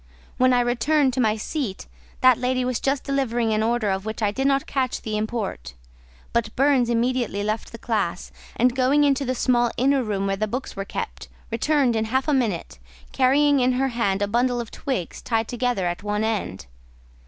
When I returned to my seat, that lady was just delivering an order of which I did not catch the import; but Burns immediately left the class, and going into the small inner room where the books were kept, returned in half a minute, carrying in her hand a bundle of twigs tied together at one end.